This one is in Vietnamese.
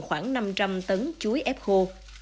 khoảng năm trăm linh tấn chuối ép khô